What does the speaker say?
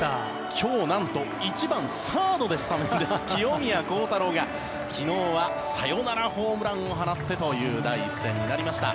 今日なんと１番サードでスタメンです清宮幸太郎が昨日はサヨナラホームランを放ってという第１戦になりました。